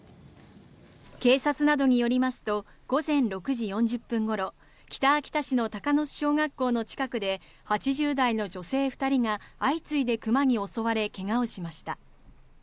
警察などによりますと午前６時４０分ごろ北秋田市の鷹巣小学校の近くで８０代の女性２人が相次いで熊に襲われ怪我をしました。